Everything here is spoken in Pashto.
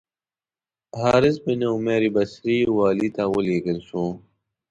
حارث بن عمیر بصري والي ته ولېږل شو.